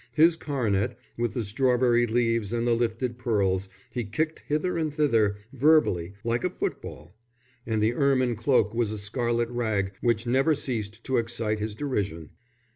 His coronet, with the strawberry leaves and the lifted pearls, he kicked hither and thither, verbally, like a football; and the ermine cloak was a scarlet rag which never ceased to excite his derision.